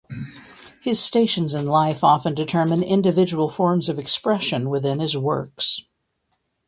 His stations in life often determine individual forms of expression within his works.